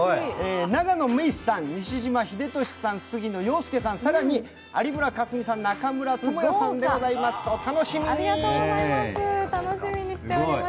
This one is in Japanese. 永野芽郁さん、西島秀俊さん、杉野遥亮さん、更に有村架純さん、中村倫也さんでございます、お楽しみに。